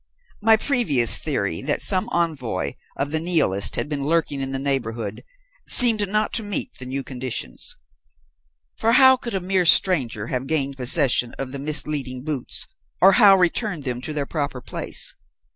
My previous theory, that some envoy of the Nihilists had been lurking in the neighbourhood, seemed not to meet the new conditions. For how could a mere stranger have gained possession of the misleading boots, or how returned them to their proper place?